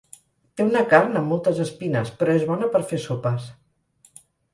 Té una carn amb moltes espines però és bona per fer sopes.